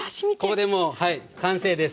ここでもう完成です。